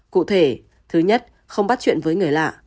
cụ thể thứ nhất không bắt chuyện với người lạ